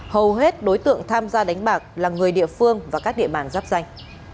hầu hết đối tượng tham gia đánh bạc là người địa phương và các địa bàn giáp danh